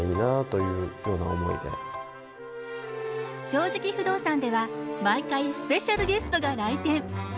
「正直不動産」では毎回スペシャルゲストが来店。